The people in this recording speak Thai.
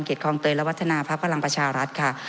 เกร็ดคองเตยและวัฒนาพระอพลังประชารัฐ